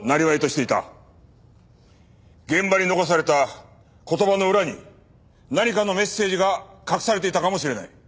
現場に残された言葉の裏に何かのメッセージが隠されていたかもしれない。